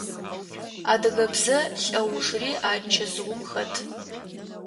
Адыгэ бзэ лӏэужри а чэзыум хэт.